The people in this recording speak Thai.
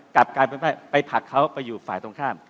กลับกลายเป็นว่าไปผลักเขาไปอยู่ฝ่ายตรงข้าม